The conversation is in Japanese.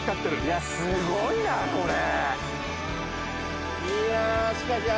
・いやすごいなこれ。